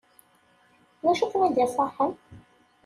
D acu i kem-id-iṣaḥen?